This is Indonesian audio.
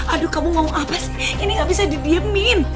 aduh kamu ngomong apa sih ini gak bisa didiemin